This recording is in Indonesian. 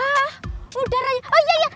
eh tutup awas awas